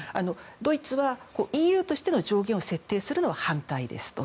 ドイツはＥＵとしての上限を設定するのは反対ですと。